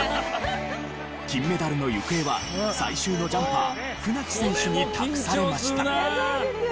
金メダルの行方は最終のジャンパー船木選手に託されました。